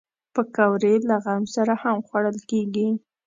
پکورې له غم سره هم خوړل کېږي